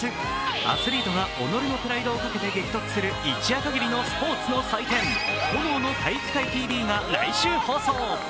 アスリートが己のプライドをかけて激突する一夜限りのスポーツの祭典「炎の体育会ＴＶ」が来週放送。